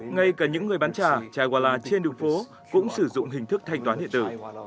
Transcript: ngay cả những người bán trà trà quà là trên đường phố cũng sử dụng hình thức thanh toán điện tử